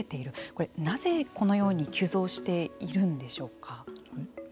これ、なぜこのように急増しているんでしょうか。